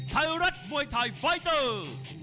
ไทยรัฐมวยไทยไฟเตอร์